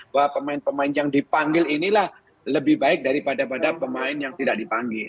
bahwa pemain pemain yang dipanggil inilah lebih baik daripada pemain yang tidak dipanggil